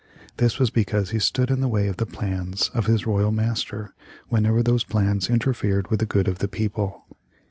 This was because he stood in the way of the plans of his royal master whenever those plans interfered with the good of the people.